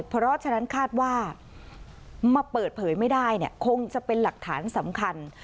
เพราะฉะนั้นคาดว่ามาเปิดเผยไม่ได้คงจะเป็นหลักฐานสำคัญ